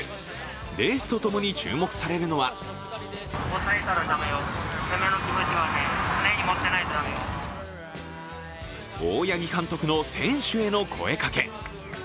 レースとともに注目されるのは大八木監督の選手への声かけ。